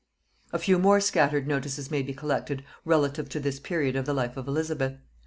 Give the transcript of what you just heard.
A few more scattered notices may be collected relative to this period of the life of Elizabeth.